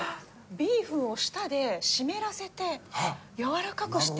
ビーフンを舌で湿らせてやわらかくして。